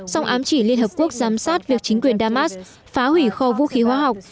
song ám chỉ liên hợp quốc giám sát việc chính quyền damas phá hủy kho vũ khí hóa học